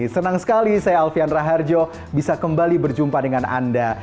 senang sekali saya alfian raharjo bisa kembali berjumpa dengan anda